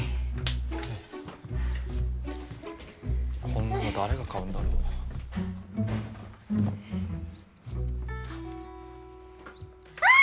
こんなの誰が買うんだろう。わ！